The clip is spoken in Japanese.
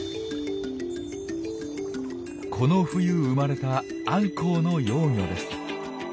この冬生まれたアンコウの幼魚です。